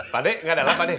pade gak ada apa apa pade